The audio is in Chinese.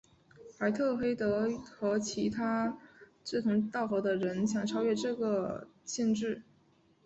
怀特黑德和其他志同道合的人想超越这个限制。